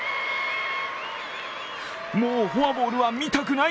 もうフォアボールは見たくない。